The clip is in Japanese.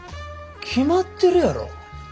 決まってるやろ。